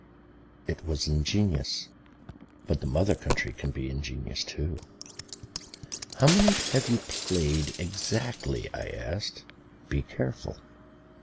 It was ingenious, but the Mother Country can be ingenious too. "How many have you played exactly?" I asked. "Be careful."